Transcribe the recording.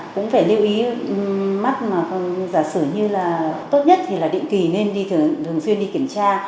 cũng phải lưu ý mắc mà giả sử như là tốt nhất thì là định kỳ nên đi thường xuyên đi kiểm tra